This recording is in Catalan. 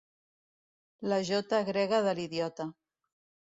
La jota grega de l'idiota.